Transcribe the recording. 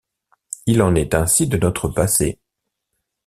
Il en est ainsi de notre passé.